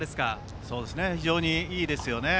非常にいいですね。